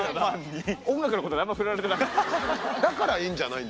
音楽のこと何も触れられてなかった。